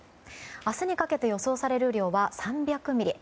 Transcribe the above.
明日にかけて予想される雨量は３００ミリ。